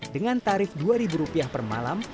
dengan tarif dua ribu rupiah per malam